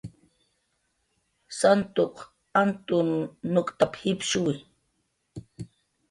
"Santuq Antun nuk'tap"" jipshuwi"